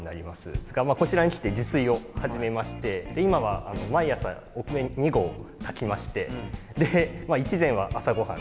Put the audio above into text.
こちらに来て自炊を始めまして今は毎朝お米を２合炊きましてでまあ１膳は朝ご飯